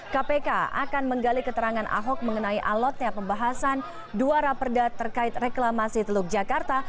kpk akan menggali keterangan ahok mengenai alotnya pembahasan dua raperda terkait reklamasi teluk jakarta